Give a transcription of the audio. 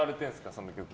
その曲。